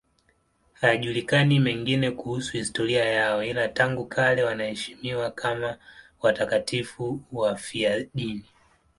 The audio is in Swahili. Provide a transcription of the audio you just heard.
Hayajulikani mengine kuhusu historia yao, ila tangu kale wanaheshimiwa kama watakatifu wafiadini.